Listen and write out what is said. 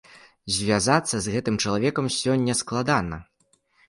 Звязацца з гэтым чалавекам сёння складана.